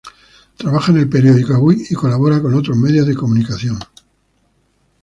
Trabaja en el periódico Avui y colabora en otros medios de comunicación.